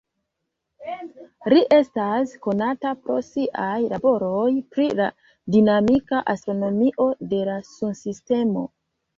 Li estas konata pro siaj laboroj pri la dinamika astronomio de la Sunsistemo.